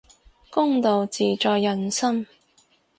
公道自在人心